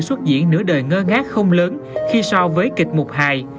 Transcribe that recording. một trăm năm mươi xuất diễn nửa đời ngơ ngát không lớn khi so với kịch mục hài